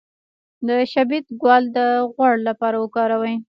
د شبت ګل د غوړ لپاره وکاروئ